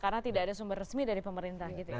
karena tidak ada sumber resmi dari pemerintah